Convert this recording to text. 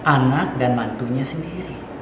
anak dan mantunya sendiri